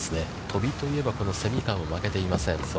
飛びといえば、この蝉川も負けていません。